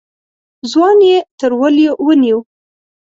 ځوان يې تر وليو ونيو.